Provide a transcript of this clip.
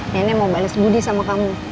nenek mau bales budi sama kamu